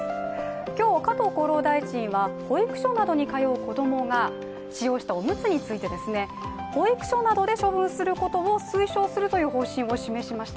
今日、加藤厚労大臣は保育所などに通う子供が使用したおむつについて、保育所などで処分することを推奨するという方針を表明しました。